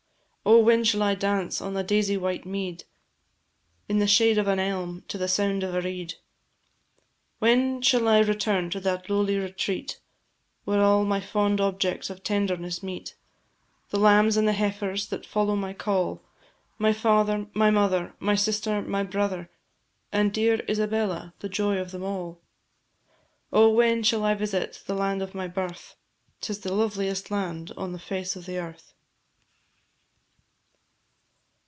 Oh, when shall I dance on the daisy white mead, In the shade of an elm, to the sound of a reed? When shall I return to that lowly retreat, Where all my fond objects of tenderness meet, The lambs and the heifers, that follow my call, My father, my mother, My sister, my brother, And dear Isabella, the joy of them all? Oh, when shall I visit the land of my birth? 'Tis the loveliest land on the face of the earth.